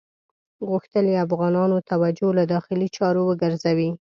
غوښتل یې افغانانو توجه له داخلي چارو وګرځوي.